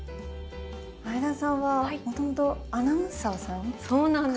前田さんはもともとアナウンサーさん。